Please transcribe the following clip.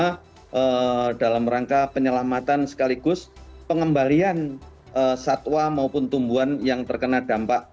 karena dalam rangka penyelamatan sekaligus pengembalian satwa maupun tumbuhan yang terkena dampak